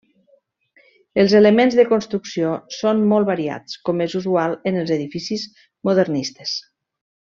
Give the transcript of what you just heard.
Els elements de construcció són molt variats com és usual en els edificis modernistes.